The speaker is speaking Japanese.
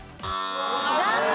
残念！